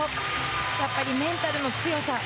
やっぱりメンタルの強さ